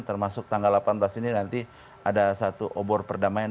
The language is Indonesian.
termasuk tanggal delapan belas ini nanti ada satu obor perdamaian